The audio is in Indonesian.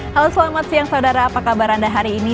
halo selamat siang saudara apa kabar anda hari ini